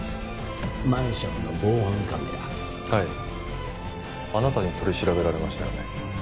マンションの防犯カメラはいあなたに取り調べられましたよね